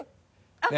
あっ！